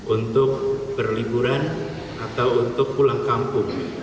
untuk berliburan atau untuk pulang kampung